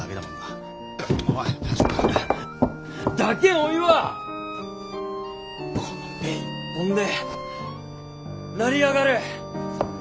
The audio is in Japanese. おいはこのペン一本で成り上がる！